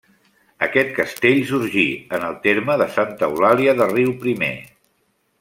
Aquest castell sorgí en el terme de Santa Eulàlia de Riuprimer.